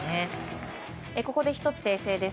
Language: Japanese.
ここで１つ、訂正です。